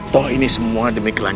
tahan tahan tahan